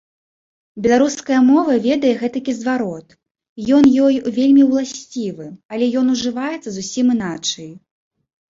Беларуская мова ведае гэтакі зварот, ён ёй вельмі ўласцівы, але ён ужываецца зусім іначай.